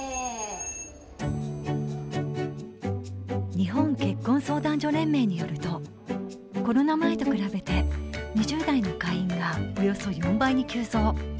日本結婚相談所連盟によるとコロナ前と比べて２０代の会員がおよそ４倍に急増。